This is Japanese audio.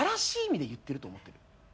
意味で言ってると思ってる？